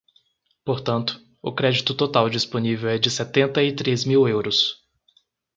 Portanto, o crédito total disponível é de setenta e três mil euros.